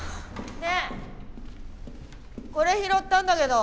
ねえこれ拾ったんだけど。